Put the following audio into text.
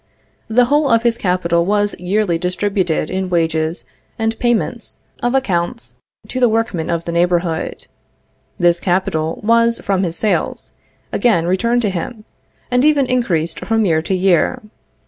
The whole of his capital was yearly distributed in wages and payments of accounts to the workmen of the neighborhood. This capital was, from his sales, again returned to him, and even increased from year to year.